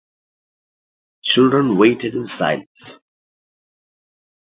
The children waited in silence.